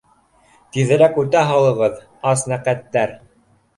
Тиҙерәк үтә һалығыҙ, аснәҡәттәр.